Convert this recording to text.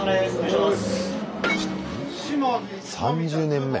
３０年目。